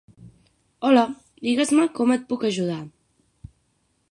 Hola, digues-me com et puc ajudar.